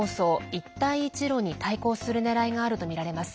一帯一路に対抗するねらいがあるとみられます。